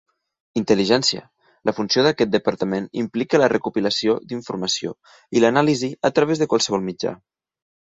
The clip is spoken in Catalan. Intel·ligència: la funció d'aquest departament implica la recopilació d'informació i l'anàlisi a través de qualsevol mitjà.